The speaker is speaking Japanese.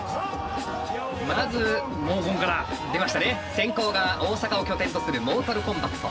先攻が大阪を拠点とするモータルコンバット。